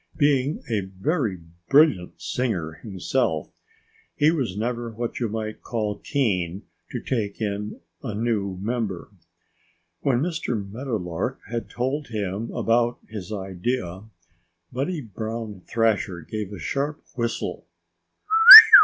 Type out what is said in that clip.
Being a very brilliant singer himself, he was never what you might call keen to take in a new member. When Mr. Meadowlark had told him about his idea Buddy Brown Thrasher gave a sharp whistle, "Wheeu!"